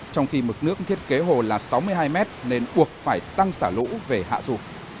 trong khi mực nước thiết kế hồ là sáu mươi hai mét nên buộc phải tăng xả lũ về hạ dù